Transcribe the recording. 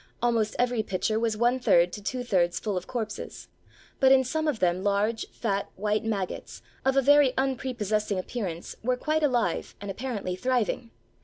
Almost every pitcher was one third to two thirds full of corpses, but in some of them large, fat, white maggots, of a very unprepossessing appearance, were quite alive and apparently thriving.